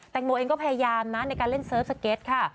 งโมเองก็พยายามนะในการเล่นเซิร์ฟสเก็ตค่ะ